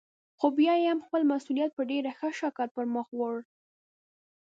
خو بيا يې هم خپل مسئوليت په ډېر ښه شکل پرمخ وړه.